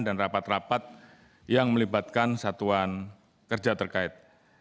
dan rapat rapat yang melibatkan satuan kerja terkait